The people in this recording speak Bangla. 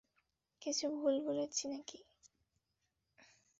কিছু ভুল বলেছি নাকি?